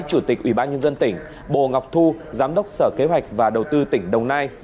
chủ tịch ủy ban nhân dân tỉnh bồ ngọc thu giám đốc sở kế hoạch và đầu tư tỉnh đồng nai